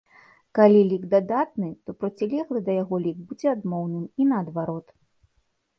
Калі лік дадатны, то процілеглы да яго лік будзе адмоўным, і наадварот.